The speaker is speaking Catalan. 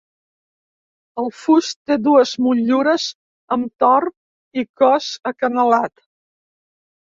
El fust té dues motllures amb tor i cos acanalat.